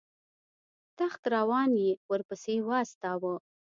تخت روان یې ورپسې واستاوه.